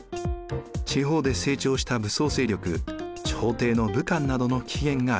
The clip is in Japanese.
地方で成長した武装勢力朝廷の武官などの起源があります。